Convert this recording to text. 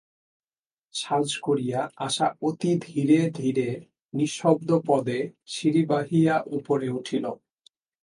সাজ করিয়া আশা অতি ধীরে ধীরে নিঃশব্দপদে সিঁড়ি বাহিয়া উপরে উঠিল।